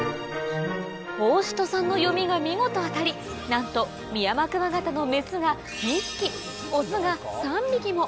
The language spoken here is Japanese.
法師人さんの読みが見事当たりなんとミヤマクワガタのメスが２匹オスが３匹も！